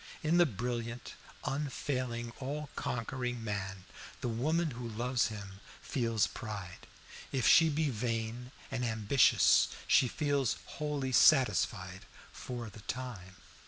In the brilliant, unfailing, all conquering man, the woman who loves him feels pride; if she be vain and ambitious, she feels wholly satisfied, for the time.